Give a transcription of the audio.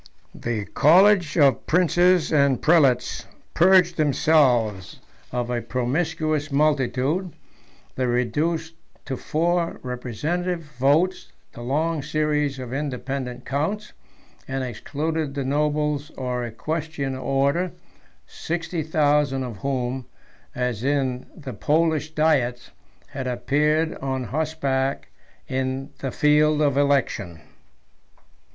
II. The college of princes and prelates purged themselves of a promiscuous multitude: they reduced to four representative votes the long series of independent counts, and excluded the nobles or equestrian order, sixty thousand of whom, as in the Polish diets, had appeared on horseback in the field of election.